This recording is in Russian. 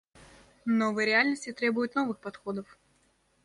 Новые реальности требуют новых подходов.